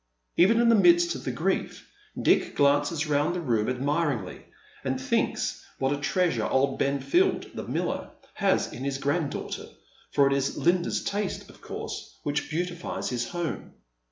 Even in the midst of his grief Dick glances round the room admiringly, and thinks what a treasure old Benfield, the miller, has in his granddaughter, for it is Linda's tnste, of com se, which beautifies his home.